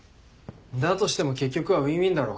だとしても結局はウィンウィンだろ。